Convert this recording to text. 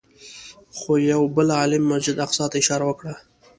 خو یوه بل عالم مسجد اقصی ته اشاره وکړه.